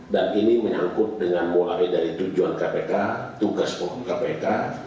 dan ini menyangkut dengan mulai dari tujuan kpk tugas punggung kpk